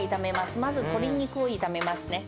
まず鶏肉を炒めますね。